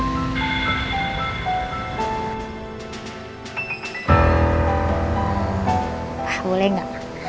bapak boleh ga pak